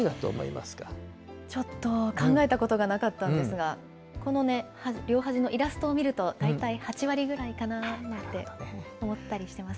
ちょっと考えたことがなかったのですが、このね、両端のイラストを見ると、大体８割ぐらいかなぁ？なんて思ってたりしてます。